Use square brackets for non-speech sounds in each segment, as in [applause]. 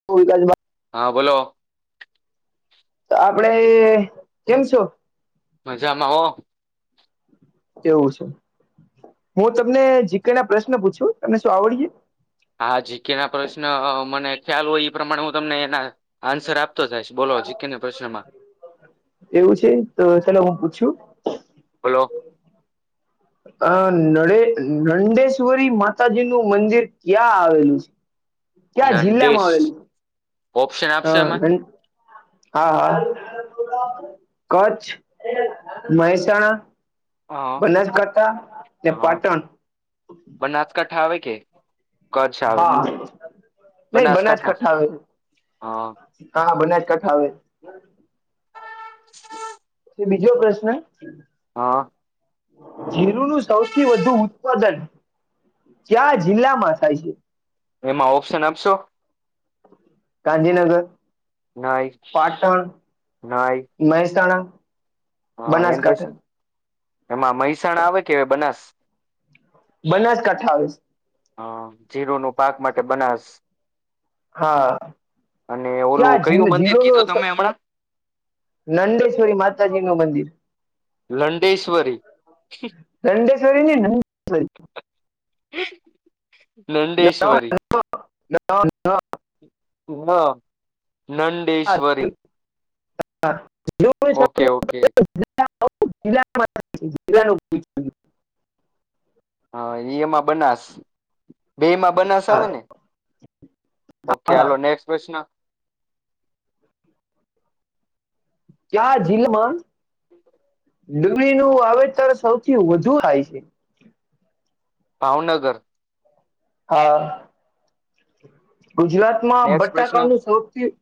[unintelligible] હા બોલો. તો આપડે કેમ છું. મજામાંઓ. એવું છે હું તમને જીકઈ ના પ્રશ્ન પૂછ્યો. તમને શું આવડીએ? હા જી કે ના પ્રશ્ન મને ખ્યાલ હોય એ પ્રમાણે હું તમને એના આન્સર આપતો જાયશ બોલો જી કેને પ્રશ્નમાં. એવું છે તો ચાલ હું પૂછ છું. હલો. અ ન નડેશ્વરી માતાજી નું મંદિર ક્યાં આવેલું છે? ક્યાં જિલ્લા માં નંદેશ આવેલું? ઓપ્શન આપશો હા ગ એમાં હા હા. કચ્છ, મહેસાણા હા બનાસકાંઠા ને હા પાટણ બનાસકાઠા આવે કે. કચ્છ આવે હા નહી બનાજ બનાસકાંઠા કઠ્ઠા આવે. હા હા બનાસકાંઠા આવે. હ. બીજો પ્રશ્ન. હા. જીરું નું સૌથી વધુ ઉત્પાદન ક્યાં જિલ્લા માં થાય છે? એમાં ઓપ્શન આપશો. Gandhinagar nice Patan nice. મહેસાણા. હહ એન બનાસકાંઠા પછી એમાં મહેસાણ આવે કે બનાસ? બનાસકાંઠા આવેસ. હહ જીરુંનું પાક માટે બનાસ. હહ અને ઓલું ક્યાં કયું ઝીણું મંદિર કીધું ઝીણુંસ તમે હમણાં નંદેશ્વરી માતાજીનું મંદિર. લંડેશ્વરી? દંડેશ્વરી ની [inaudible] [inaudible] લંડેશ્વરી. ના ના નંડેશ્વરી. ઓકે ઓકે [inaudible] [inaudible] હા એમાં બનાસ બેયમાં બનાસ આવે ને? ઓકે હાલો નેક્સ્ટ પ્રશ્ન? [inaudible] ક્યા જીલમાં [inaudible] ડુંગળીનું વાવેતર સૌથી વધુ થાય છે? ભાવનગર હા. ગુજરાતમાં નેક્સ્ટ પ્રશ્ન બટાકાનું સૌથી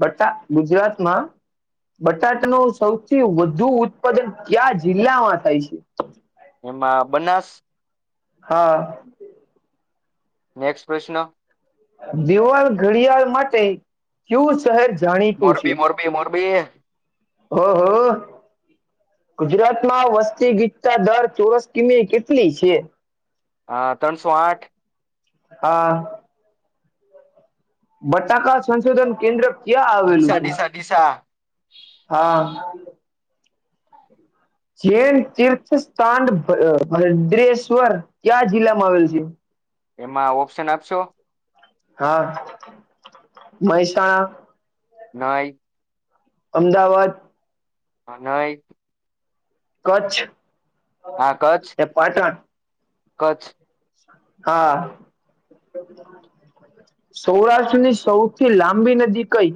બટા ગુજરાતમાં બટાટનું સૌથી વધુ ઉત્પાદન ક્યા જિલ્લામાં થાય છે? એમાં બનાસ? હા નેક્સ્ટ પ્રશ્ન? દિવાલ ઘડિયાળ માટે કેવું શહેર જાણીતું છે? મોરબી મોરબી મોરબી ઓહો! ગુજરાતમાં વસ્તી ગીતતા દર ચોરસ કિમી કેટલી છે? આ તનસો આઠ? હા બટાકા સંશોધન કેન્દ્ર ક્યાં આવેલું ડીસા છે? ડીસા ડીસા હા જેૈન તીર્થસ્થાન ભ ભદ્રેશ્વર ક્યાં જિલ્લામાં આવેલ છે? એમાં ઓપ્શન આપશો? હા મહેસાણા? નહીં. અમદાવાદ? આ નઈ. કચ્છ કચ્છ કે પાટણ? કચ્છ હા [inaudible] સૌરાષ્ટ્રની સૌથી લાંબી નદી કઈ?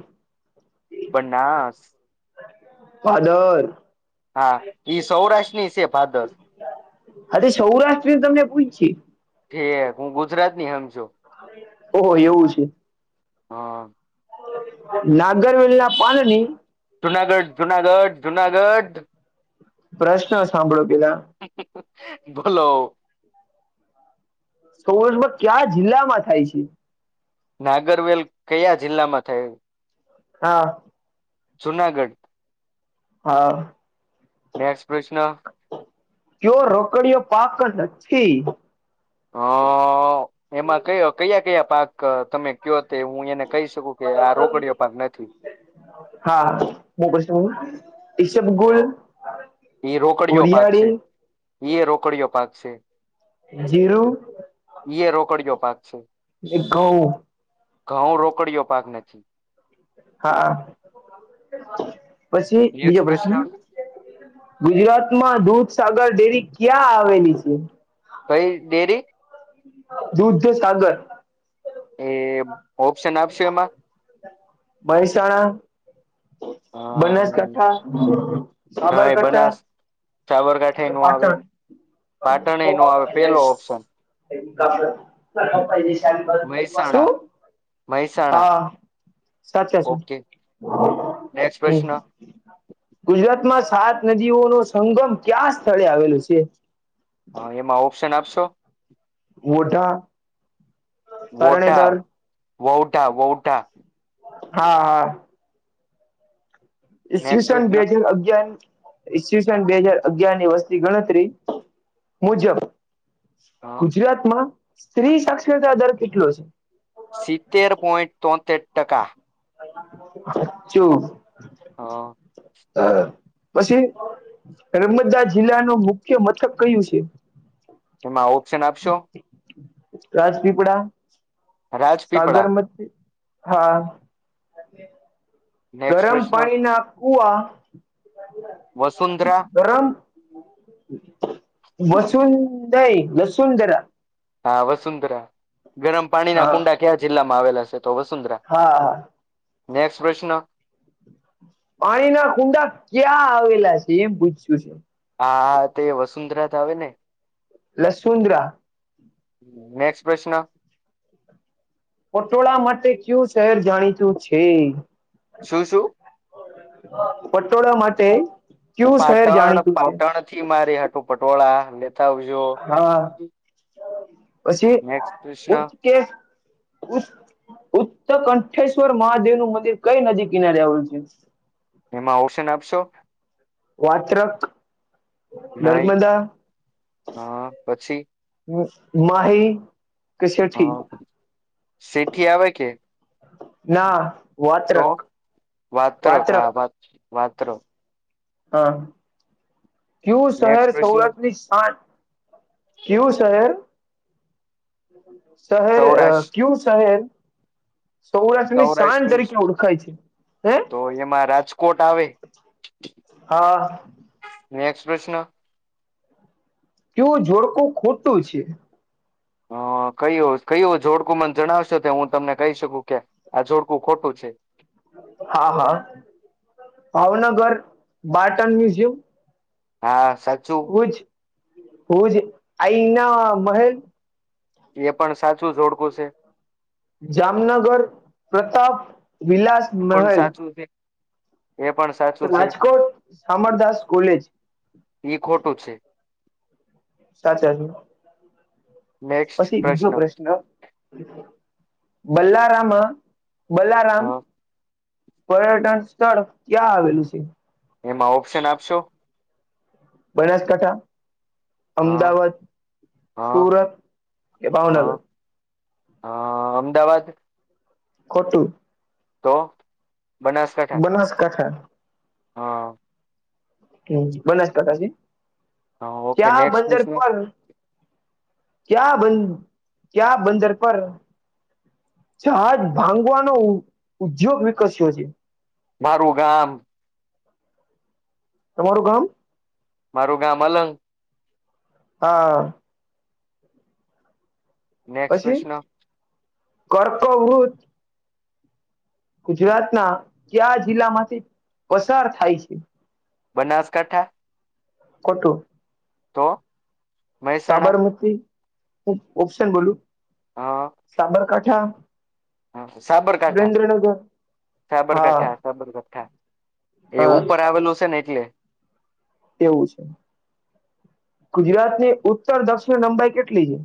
બનાસ. ભાદલ હા ઈ સૌરાષ્ટ્રની છે ભાદર. આજે સૌરાષ્ટ્રની તમને પૂછી. ઠીક હું ગુજરાતની હમજ્યો. ઓહો એવું છે. હહ નાગરવેલના પાંદની જુનાગઢ, જુનાગઢ, જુનાગઢ. પ્રશ્ન સાંભળો પેલા. બોલો. સૌરષ્ટ્રમાં ક્યા જિલ્લા માં થાય છે. નાગરવેલ કયા જિલ્લા માં થાય. હા. જુનાગઢ. હા. નેક્સ્ટ પ્રશ્ન. કયો રોકડીયો પાક નથી. અ એમાં કયો કયા કયા પાક તમે કયો તે હું એને કહી શકું કે આ રોકડીઓ નથી. હા [unintelligible] ઈશબ ગુલ. એ રોકડીયો પાક છેઇયે રોકડીયો પાક છે. જીરું ઇયે રોકડીયો પાક છે. ને ઘઉં ઘઉં રોકડીયો પાક નથી. હા પછી બીજો પ્રશ્ન. ગુજરાતમાં દૂધસાગર ડેરી ક્યાં આવેલી છે. કઈ ડેરી? દૂધ સાગર. એ ઓપ્શન આપશો એમાં. મહેસાણા અ બનાસકાંઠા સાબરકાંઠા સાબરકાંઠાયે કે નો આવે પાટણ પાટણ એ નો આવે પેલો ઓપ્શન. [unintelligible] શુ મહેસાણા મહેસાણા હા સાચા છુ. ઓકે નેક્સ્ટ પ્રશ્ન હમ. ગુજરાતમાં સાત નદીઓ નો સંગમ ક્યા સ્થળે આવેલો છે. હા એમાં ઓપ્શન આપશો. મોઢા વોઢા વઉઢા વઉઢા. હા હા. નેક્સ્ટ ઈસવીસન પ્રશ્ન બે હજાર અગિયાર ઇસવિસન બે હજાર અગિયાર ની વસ્તી ગણતરી મુજબ. અ, ગુજરાતમાં સ્ત્રી સાક્ષરતા દર કેટલો છે. સિત્તેર પોઈન્ટ તોતેર ટકા. સાચું. હા. અ પછી નર્મદા જિલ્લાનું મુખ્ય મથક કયું છે. એમાં ઓપ્શન આપશો. રાજપીપળા રાજપીપળા સાગર મતી હા નેક્સ્ટ ગરમ પ્રશ્ન પાણી ના કુવા વસુંધરા ગરમ વસુંધઈ વસુંધરા. હા વસુંંધરા ગરમ પાણી ના કુંડા ક્યા જિલ્લામાં આવેલા છે તો વસુંંધરા. હા હા. નેક્સ પ્રશ્ન. પાણી ના કુંડા ક્યાં આવેલા છે એમ પૂછ્યું છે. હા તો વસુંંધરા આવે ને. લસુન્દ્રા. નેક્સ્ટ પ્રશ્ન. પટોળા માટે કયુ શહેર જાણીતું છે? શું શું? પટોળા માટે કુ શહેર પાટણ જાણીતું છે? પાટણ થી મારે હટું પટોળા લનેતા આવજો હા પછી નેક્સ્ટ પ્રશ્ન [unintelligible] ઉત્તર કંઠેશ્વર મહાદેવ નું મંદિર કઈ નદી કિનારે આવેલું છે? એમાં ઓપ્શન આપશો? વાત્રત્રક, નહી નર્મદા હા પછી માહી, [unintelligible] સથી આવેવે કે? ના. તો વાત્રક વાતત્ર ક વાત્રક વાત વાતત્ર. હા, કયું શહેર નેક્સ્ટ પ્રશ્ન સૌરાષ્ટ્રની શાન કેવું શહેર? શહેર સૌરાષ્ટ્ર ક્યુ શહેર સૌરાષ્ટ્રની સાંજ સૌરાષ્ટ્રની જ. તરીકે ઓળખાય છે? હે. તો એમાં રાજકોટ આવે. હા નેક્ પ્રશ્ન. કેવું જોડકું ખોટું છે? હ કયું કયું જોડકુમન જણાવશો તો હું તમને કહી શકું કે આ જોડકું ખોટું છે. હા હા ભાવનગર, બાટન મ્યુઝિયમ હા સાચું. હુંજ હુંજ આઈના મહેલ એ પણ સાચું જોડકું છે. જામનગર પ્રતાપ વિલાસ એ પણ મહેલ સાચું છે એ પણ સાચું તો છે રાજકોટ સામરદાસ કોલેજ એ ખોટું છે. સાચા છે, પછી બીજો પ્રશ્ન. બલારામ હ બલારામ પર્યટન સ્થળ ક્યાં આવેલું છે? એમાં ઓપ્શન આપશો? બનાસકાંઠા, હા અમદાવાદ, હા સુરત કે ભાવનગર? હ અમદાવાદ? ખટું. તો બનાસકાંઠા. હા. હમ બનાસકાંઠાથી હા ઓકે ત્યાં નેક્સ્ટ બંદર પ્રશ્ન પર ક્યા બ ક્યા બંદર પર જાજ ભાંગવાનો ઉદ્યોગ વિકસ્યો છે? મારું ગામ. તમારું ગામ? મારું ગામ અલંગ. હા. નેક્સ્ટ પછી પ્રશ્ન કર્કભૂત ગુજરાત ના કયા જિલ્લા માંથી પસાર થાય છે? બનાસકાંઠા? કોટું તો મહેસાણા સાબરમતી હું ઓપ્શન બોલું અ સાબરકાંઠા હ સાબરકાંઠા સુરેન્દ્રનગર હા સાબરકાંઠા બરઠા એ હા ઉપર આવેલું છે ને એટલે એવું છે ગુજરાતની ઉત્તર દક્ષિણ લંબાઈ કેટલી છે?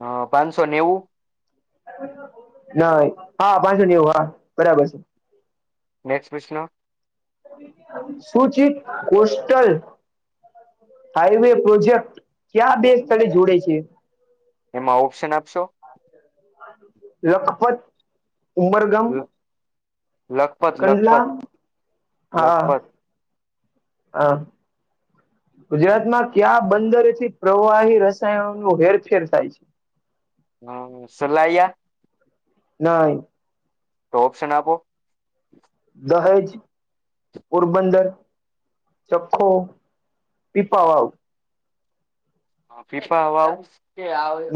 હ પાંચસો નેવું. ના હા પાંસો નેવું હા બરાબર છે. નેક્સ્ટ પશ્નો. સુુંચિત કોસ્ટલ હાઈવે પ્રોજેક્ટ ક્યાં બે સ્થળે જોડે છે? એમાં ઓપ્શન આપશો. લખપત, ઉમરગમ લખપત કંડલા લખપત હા હા ગુજરાતમાં ક્યાં બંદરેથી પ્રવાહી રસાયણો ન હેરફેર થાય છે? હા સલાઈયા. નાહી. તો ઓપ્શન આપો. દહ છે પોરબંદર, ચખો પીપાવાવ. પીપીવાવ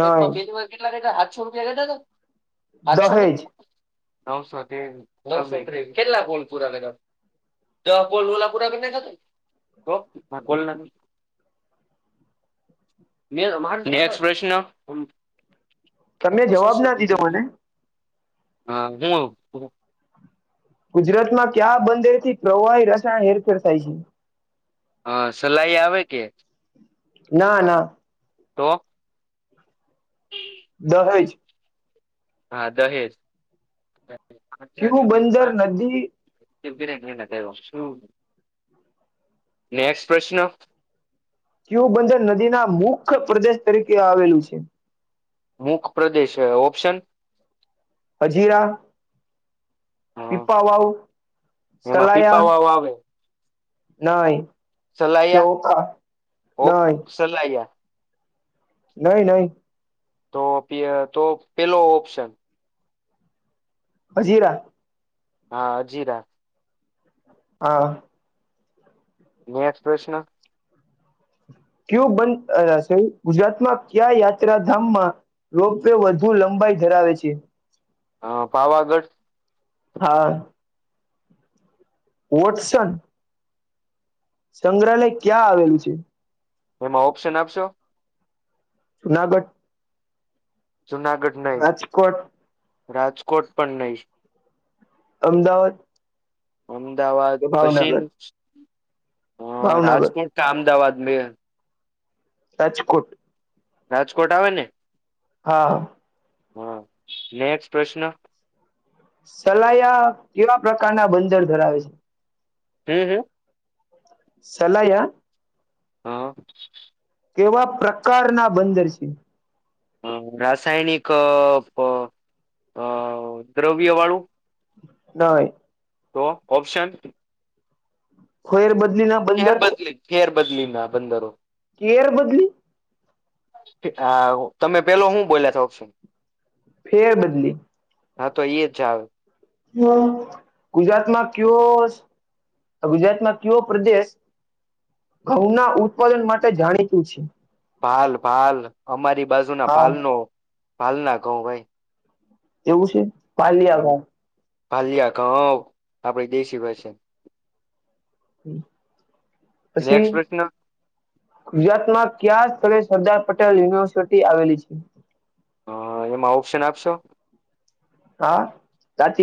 નહી કેટલાા સાતસો રૂપિયા ગટા તો. સાચસો ને દહેજ નવસોો કેટલા ગોલપુરા. તો પોલલા પૂરા બ થ બલ. નેક્ પ્રશ્ન. તમે જવાબ ના દીધો મને. હા હું હ. ગુજરાત માં ક્યા બંદર થી પ્રવાહી રસાયણ હેરફેર થાય છે? હ સલાઈ આવેે કે. ના ના. તો. દહેજ. હા દહેજ. ક્યવું બંદર નદી ્યો શું નેક્સ્ટ પ્રશ્ન. ક્યુબંદર નદી ના મુખ્ય પ્રદેશ તરીકે આવેલું છે. મુખ પ્રદેશ ઓપ્શન. અજીરા પીપાવાઓ, એમાં સલાયા, પીપાવાવ આવે નય. ઓખા કે નઈ. સેલિયા. નહી નહી. તો તો પેલો ઓપ્શન. હજીરા. હા અજીરા. હા. નેક્સ્ટ પ્રશ્ન. કયુ બંધશે ગુજરાતમાં ક્યા યાત્રાધામમાં રોપ વે વધુ લંબાઈ ધરાવે છે? હ પાવાગઢ. હા વોટસન. સંગ્રહાલય ક્યાં આવેલું છે? એમાં ઓપ્શન આપશો. જુનાગઢ. જુનાગઢ નહી રાજકોટ રાજકોટ પણ નહી અમદાવાદ અમદાવાદ કે પછી ભાવનગર હ ભાવનગર રાજકોટ કા અમદાવાદ મે રાજકોટ રાજકોટ આવે ને હા હા નેક્સ્ટ પ્રશ્ન સલાયા કેવા પ્રકારના બંદર ધરાવે છે હમ હમ સલાહ હા કેવા પ્રકાર ના બંદર છે અ રાસાયણિક અ દ્રવ્ય વાળું નય તો ઓપ્શન કોઈ એર બદલી ના કેેર બદલી કેેર બદલી ના બંદરો કેર બદલી હ તમે પેલો હું બોલ્યા છોશો ફેર બદલી હા તો એઈ જ છે આવે ગુજરાતમાં કયો ગુજરાત માં કયો પ્રદેશ ઘઉં ના ઉત્પાદન માટે જાણીતું છે ભાલ ભાલ અમારી બાજુ ના હા ભાલ નો ભાલ ના કઉ ભાઈ એવું છે હ પાલિયા ઘઉં પાલીિયા ક આપડી દેશી ભાષ હ અછી નેક્સ્ટ પ્રશ્ન અ ગુજરાત માં ક્યા સ્થળે સરદાર પટેલ યુનિવર્સિટી આવેલી છે હ એમાં ઓપ્શન આપશો હા સાચી વા